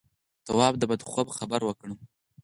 تواب د بد خوب خبره وکړه.